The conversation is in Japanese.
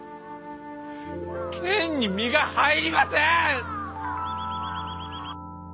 剣に身が入りません！